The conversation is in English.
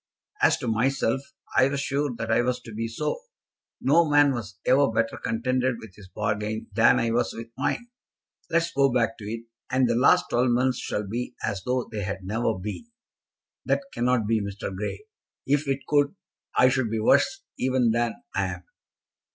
As to myself, I was sure that I was to be so. No man was ever better contented with his bargain than I was with mine. Let us go back to it, and the last twelve months shall be as though they had never been." "That cannot be, Mr. Grey. If it could, I should be worse even than I am."